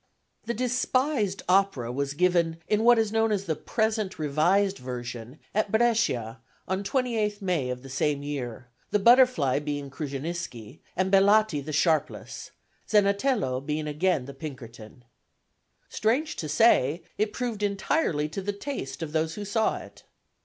The despised opera was given in what is known as the present revised version at Brescia, on 28 May of the same year, the Butterfly being Krusceniski, and Bellati the Sharpless, Zenatello being again the Pinkerton. Strange to say, it proved entirely to the taste of those who saw it.